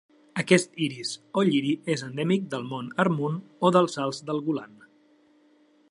Aquest iris o lliri és endèmic del Mont Hermon i dels Alts del Golan.